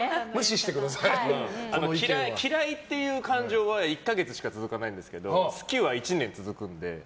嫌いっていう感情は１か月しか続かないんですけど好きは１年続くので。